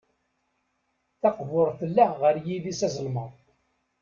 Taqburt tella ɣer yidis azelmaḍ.